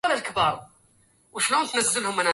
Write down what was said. هذي منازلهم أما تتذكر